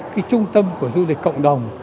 cái trung tâm của du lịch cộng đồng